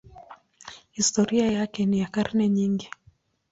Historia yake ni ya karne nyingi.